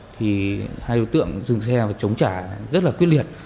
thì hai đối tượng dừng xe và chống trả rất là quyết liệt